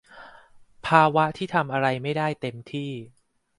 ภาวะที่ทำอะไรไม่ได้เต็มที่